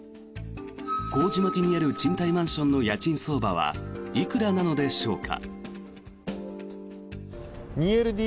麹町にある賃貸マンションの家賃相場はいくらなのでしょうか。